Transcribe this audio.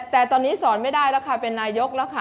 แต่ตอนนี้สอนไม่ได้แล้วค่ะเป็นนายกแล้วค่ะ